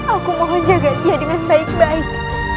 aku mohon jaga dia dengan baik baik